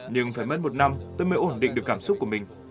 nhưng phải mất một năm tôi mới ổn định được cảm xúc của mình